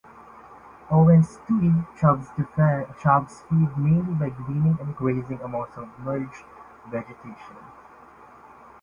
Owens tui chubs feed mainly by gleaning and grazing among submerged vegetation.